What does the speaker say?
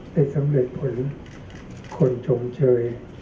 ได้สำเร็จผลคนชมเชย